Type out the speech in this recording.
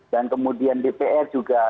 dan kemudian dpr juga